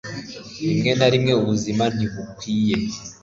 rimwe na rimwe, ubuzima ntibukwiye